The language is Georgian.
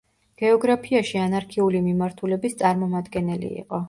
გეოგრაფიაში „ანარქიული“ მიმართულების წარმომადგენელი იყო.